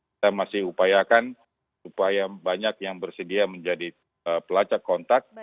kita masih upayakan supaya banyak yang bersedia menjadi pelacak kontak